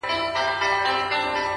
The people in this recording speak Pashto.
چي مي ستونی په دعا وو ستړی کړی!.